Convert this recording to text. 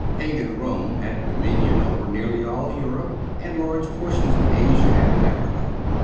Pagan Rome had dominion over nearly all Europe and large portions of Asia and Africa.